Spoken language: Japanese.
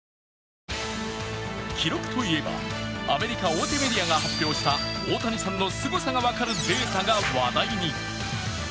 記録といえば、アメリカ大手メディアが発表した大谷さんのすごさが分かるデータが話題に。